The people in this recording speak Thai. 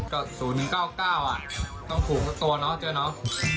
ก็ศูนย์๙๙อ่ะต้องถูกกับตัวเนอะเจอเนอะ